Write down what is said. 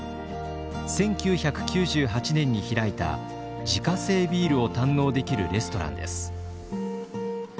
１９９８年に開いた自家製ビールを堪能できるレストランです。